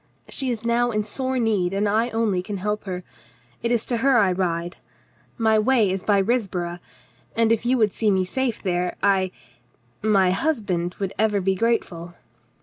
She is now in sore need, and I only can help her. It is to her I ride. My way is by Risborough, and if you would see me safe there, I — my husband would ever be grateful."